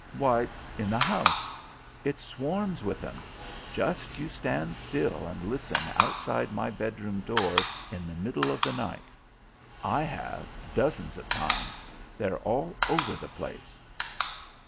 "Why, in the house. It swarms with 'em. Just you stand still and listen outside my bedroom door in the middle of the night. I have, dozens of times; they're all over the place."